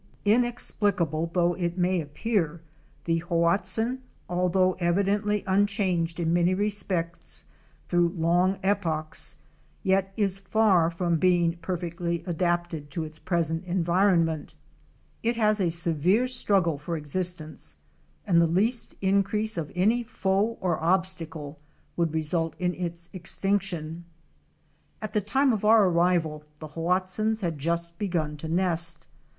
Inexplicable though it may appear, the Hoatzin — although evidently unchanged in many respects through long epochs — yet is far from being per fectly adapted to its present environment. It has a severe THE LIFE OF THE ABARY SAVANNAS. 371 struggle for existence, and the least Increase of any foe or obstacle would result in its extinction. At the time of our arrival the Hoatzins had just begun to nest.